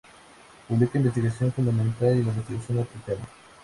Publica la investigación fundamental y la investigación aplicada.